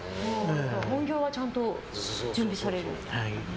本業はちゃんと準備される。